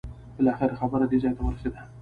بالاخره خبره دې ځای ورسېده.